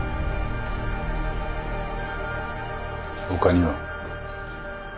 他には？